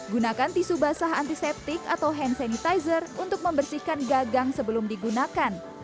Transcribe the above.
gunakan tisu basah antiseptik atau hand sanitizer untuk membersihkan gagang sebelum digunakan